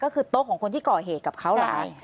ก็คือโต๊ะของคนที่ก่อเหตุกับเขาแหละ